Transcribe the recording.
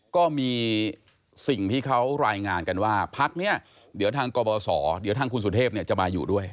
ก็มีสิ่งที่เขารายงานกันว่าพักนี้เดี๋ยวทางกบสเดี๋ยวทางคุณสุเทพจะมาอยู่ด้วย